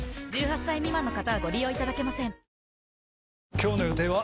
今日の予定は？